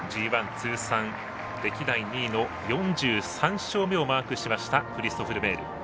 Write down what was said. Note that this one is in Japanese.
通算歴代２位の４３勝目をマークしましたクリストフ・ルメール。